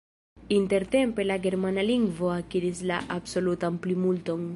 Intertempe la germana lingvo akiris la absolutan plimulton.